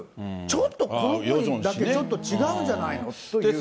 ちょっと、この子にだけちょっと違うんじゃないのという。